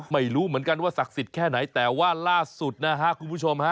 ไม่รู้เหมือนกันว่าศักดิ์สิทธิ์แค่ไหนแต่ว่าล่าสุดนะฮะคุณผู้ชมฮะ